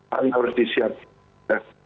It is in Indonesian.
hal yang harus disiapkan